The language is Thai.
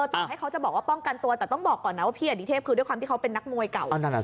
ต่อให้เขาจะบอกว่าป้องกันตัวแต่ต้องบอกก่อนนะว่าพี่อดิเทพคือด้วยความที่เขาเป็นนักมวยเก่า